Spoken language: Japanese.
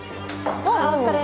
あお疲れ。